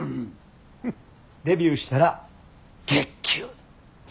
デビューしたら月給２０円や。